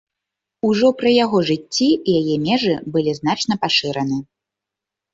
Ужо пры яго жыцці яе межы былі значна пашыраны.